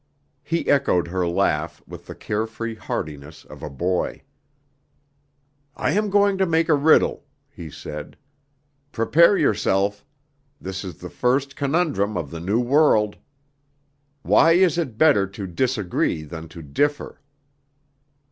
He echoed her laugh with the carefree heartiness of a boy. "I am going to make a riddle," he said. "Prepare yourself; this is the first conundrum of the new world. Why is it better to disagree than to differ?"